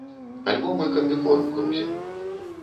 Альбо мы камбікорм грузім.